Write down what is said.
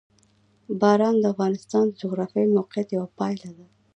باران د افغانستان د جغرافیایي موقیعت یوه پایله ده.